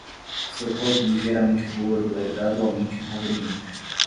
Seu corpo ligeiramente gordo é gradualmente inconveniente